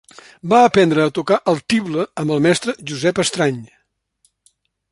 Va aprendre a tocar el tible amb el mestre Josep Estrany.